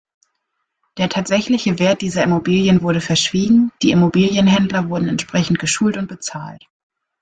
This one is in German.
Der tatsächliche Wert dieser Immobilien wurde verschwiegen, die Immobilienhändler wurden entsprechend geschult und bezahlt.